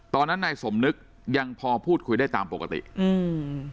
ตอนนั้นนายสมนึกยังพอพูดคุยได้ตามปกติอืม